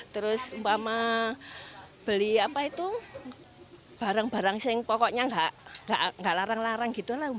terus beli barang barang yang pokoknya nggak larang larang